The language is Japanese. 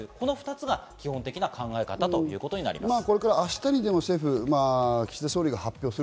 この２つが基本的な考え方ということになります。